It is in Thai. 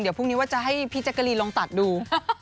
เดี๋ยวพรุ่งนี้ว่าจะให้พี่แจ๊กกะรีนลองตัดดู